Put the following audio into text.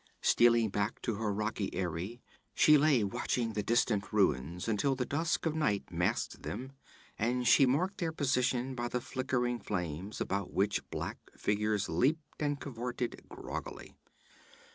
Stealing back to her rocky eyrie, she lay watching the distant ruins until the dusk of night masked them, and she marked their position by the flickering flames about which black figures leaped and cavorted groggily.